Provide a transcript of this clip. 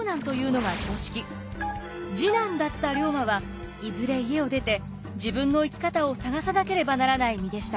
次男だった龍馬はいずれ家を出て自分の生き方を探さなければならない身でした。